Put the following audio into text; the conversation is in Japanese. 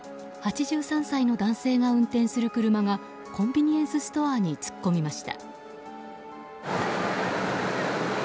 ８３歳の男性が運転する車がコンビニエンスストアに突っ込みました。